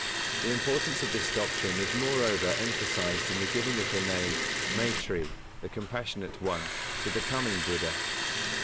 The importance of this doctrine is moreover emphasised in the giving of the name "Maitri" (the Compassionate One), to the coming Buddha.